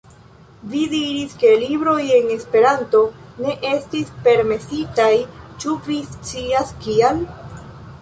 Vi diris, ke libroj en Esperanto ne estis permesitaj, ĉu vi scias, kial?